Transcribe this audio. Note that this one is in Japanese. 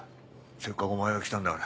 せっかくお前が来たんだから。